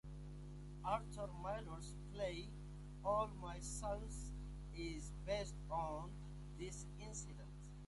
Arthur Miller's play "All My Sons" is based on this incident.